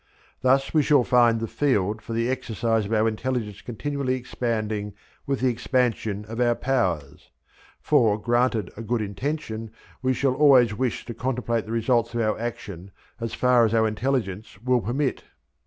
Thus we shall find the field for the exercise of our intelligence continually expanding with the expansion of our powers; for, granted a good intention, we shall always wish to contemplate the results of our action as far as our intelligence will permit.